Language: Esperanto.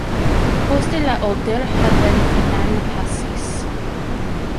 Poste la Oder-Havel-Kanal pasis.